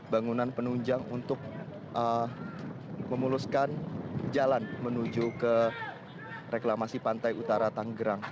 bangunan penunjang untuk memuluskan jalan menuju ke reklamasi pantai utara tanggerang